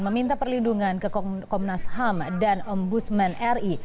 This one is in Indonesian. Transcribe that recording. meminta perlindungan ke komnas ham dan ombudsman ri